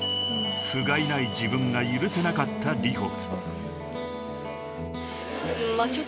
［ふがいない自分が許せなかったＲｉｈｏ］